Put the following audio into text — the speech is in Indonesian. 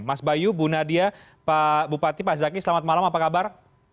mas bayu bu nadia pak bupati pak zaki selamat malam apa kabar